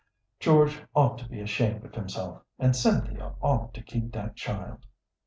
George ought to be ashamed of himself, and Cynthia ought to keep that child."